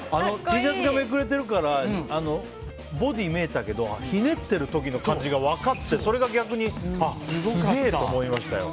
Ｔシャツがめくれてるからボディーが見えてたけどひねってる時の感じが分かってそれが逆にすげえと思いましたよ。